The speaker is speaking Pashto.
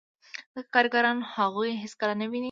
ځکه کارګران هغوی هېڅکله نه ویني